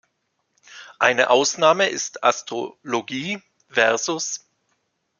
Eine Ausnahme ist Astro"logie" vs.